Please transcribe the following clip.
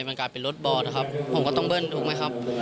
มันกลายเป็นรถบอร์ดนะครับผมก็ต้องเบิ้ลถูกไหมครับ